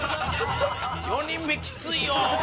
４人目きついよ。